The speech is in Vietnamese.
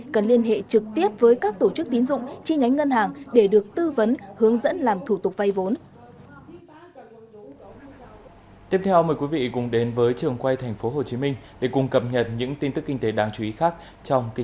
cần liên hệ trực tiếp với các tổ chức tín dụng chi nhánh ngân hàng để được tư vấn hướng dẫn làm thủ tục vay vốn